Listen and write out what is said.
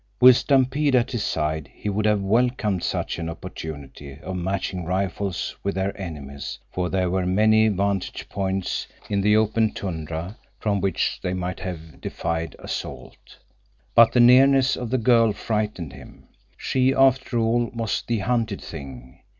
With Stampede at his side he would have welcomed such an opportunity of matching rifles with their enemies, for there were many vantage points in the open tundra from which they might have defied assault. But the nearness of the girl frightened him. She, after all, was the hunted thing.